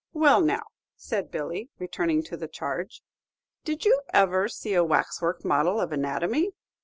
"Well, now," said Billy, returning to the charge, "did you ever see a waxwork model of anatomy?